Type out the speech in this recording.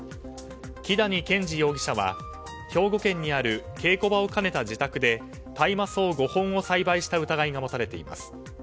木谷研治容疑者は兵庫県にある稽古場を兼ねた自宅で大麻草５本を栽培した疑いが持たれています。